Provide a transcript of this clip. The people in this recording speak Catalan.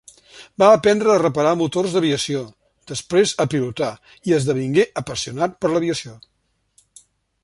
Va aprendre a reparar motors d'aviació, després a pilotar, i esdevingué apassionat per l'aviació.